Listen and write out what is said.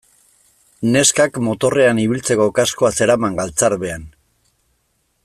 Neskak motorrean ibiltzeko kaskoa zeraman galtzarbean.